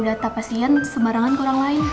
data pasien sembarangan ke orang lain